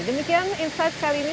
demikian insight kali ini